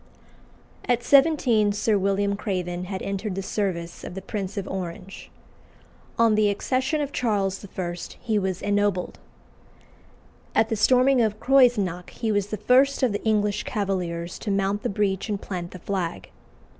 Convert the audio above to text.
At seventeen Sir William Craven had entered the service of the Prince of Orange. On the accession of Charles I. he was ennobled. At the storming of Creuzenach he was the first of the English Cavaliers to mount the breach and plant the flag.